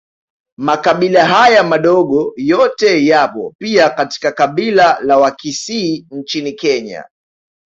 Makabila haya madogo yote yapo pia katika kabila la Wakisii nchini Kenya